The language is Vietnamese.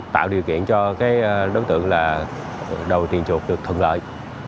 tạo điều kiện cho cái đối tượng là đầu tiền chuột được thuận lợi